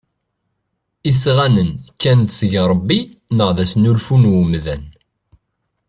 Isɣanen kkan-d seg Ṛebbi neɣ d asnulfu n umdan?